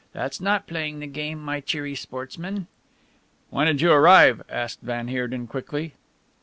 That's not playing the game, my cheery sportsman." "When did you arrive?" asked van Heerden quickly.